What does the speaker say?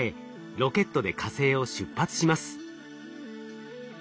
ロケットで火星を出発します。